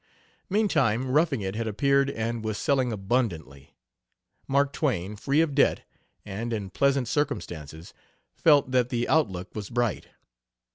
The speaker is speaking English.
Meantime, Roughing It had appeared and was selling abundantly. Mark Twain, free of debt, and in pleasant circumstances, felt that the outlook was bright.